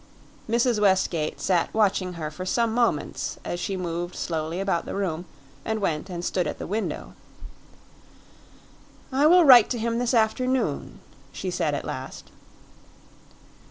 Mrs. Westgate sat watching her for some moments as she moved slowly about the room and went and stood at the window. "I will write to him this afternoon," she said at last.